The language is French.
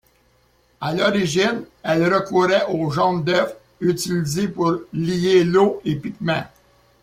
À l'origine, elle recourait au jaune d’œuf, utilisé pour lier eau et pigments.